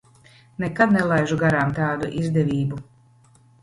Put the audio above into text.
Nekad nelaižu garām tādu izdevību.